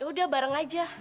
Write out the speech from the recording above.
yaudah bareng aja